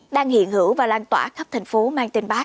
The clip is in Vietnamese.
đang hiện hữu và lan tỏa khắp thành phố mang tên bác